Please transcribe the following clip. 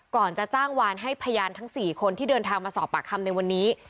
จะจ้างวานให้พยานทั้ง๔คนที่เดินทางมาสอบปากคำในวันนี้